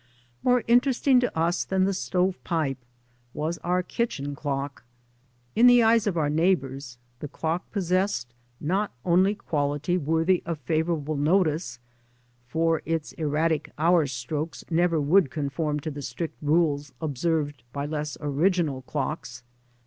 More interesting to us than the stove pipe was our kitchen clock. In the eyes of our neighbours the clock possessed not only qual ity worthy of favourable notice, for its er ratic hour strokes never would conform to the strict rules observed by less original clocks.